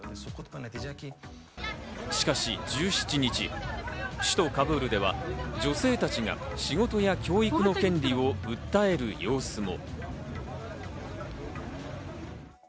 しかし１７日、首都カブールでは女性たちが仕事や教育の権利を訴える様子も。